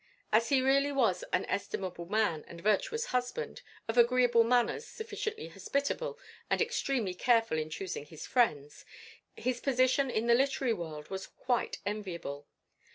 As he really was an estimable man and virtuous husband, of agreeable manners, sufficiently hospitable, and extremely careful in choosing his friends, his position in the literary world was quite enviable.